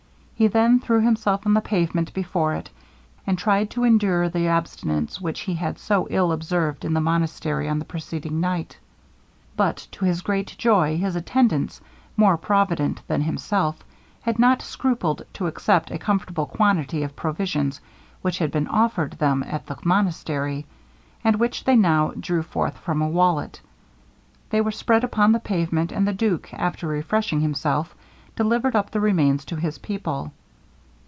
He then threw himself on the pavement before it, and tried to endure the abstinence which he had so ill observed in the monastery on the preceding night. But to his great joy his attendants, more provident than himself, had not scrupled to accept a comfortable quantity of provisions which had been offered them at the monastery; and which they now drew forth from a wallet. They were spread upon the pavement; and the duke, after refreshing himself, delivered up the remains to his people.